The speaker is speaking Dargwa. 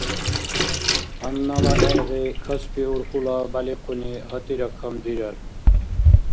Гьаннала гӀергъи Каспи урхьула бялихъуни гьатӀира камдирар.